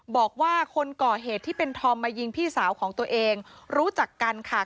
บอกว่าคนก่อเหตุที่เป็นธอมมายิงพี่สาวของตัวเองรู้จักกันค่ะ